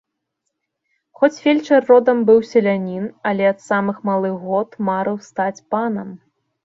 Хоць фельчар родам быў селянін, але ад самых малых год марыў стаць панам.